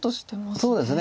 そうですね。